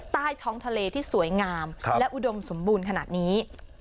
ใต้ท้องทะเลที่สวยงามและอุดมสมบูรณ์ขนาดนี้